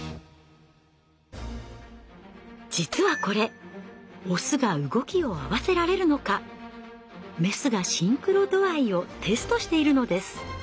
実はこれオスが動きを合わせられるのかメスがシンクロ度合いをテストしているのです。